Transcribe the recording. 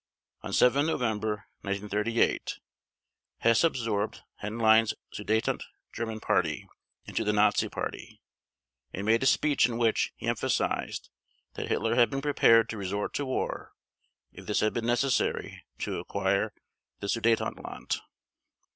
On 7 November 1938 Hess absorbed Henlein's Sudeten German Party into the Nazi Party, and made a speech in which he emphasized that Hitler had been prepared to resort to war if this had been necessary to acquire the Sudetenland.